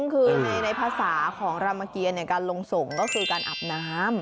คือในภาษาของรามเกียรการลงส่งก็คือการอาบน้ำ